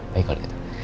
baik kalau gitu